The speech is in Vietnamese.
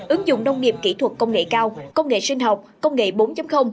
ứng dụng nông nghiệp kỹ thuật công nghệ cao công nghệ sinh học công nghệ bốn